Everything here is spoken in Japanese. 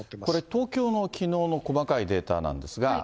これ、東京のきのうの細かいデータなんですが。